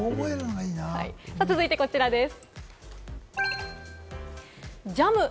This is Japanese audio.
続いてはこちらです。